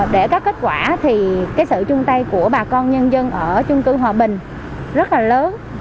để có kết quả thì cái sự chung tay của bà con nhân dân ở chung cư hòa bình rất là lớn